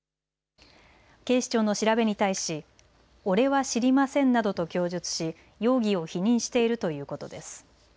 警視庁の調べに対し俺は知りませんなどと供述し容疑を否認しているということです。